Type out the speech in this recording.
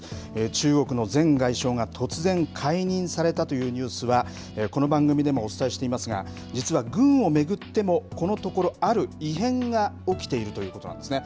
中国の前外相が突然解任されたというニュースは、この番組でもお伝えしていますが、実は軍を巡ってもこのところ、ある異変が起きているということなんですね。